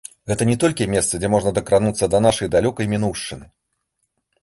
Гэта не толькі месца, дзе можна дакрануцца да нашай далёкай мінуўшчыны.